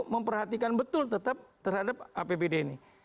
memperhatikan betul tetap terhadap apbd ini